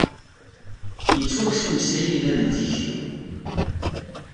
Yettwakkes umeslay i bab n tikti.